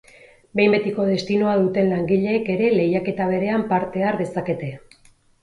Behin-betiko destinoa duten langileek ere lehiaketa berean parte har dezakete.